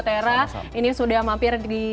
teras ini sudah mampir di